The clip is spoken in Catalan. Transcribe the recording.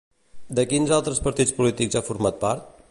De quins altres partits polítics ha format part?